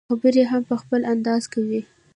خبرې هم په خپل انداز کوي.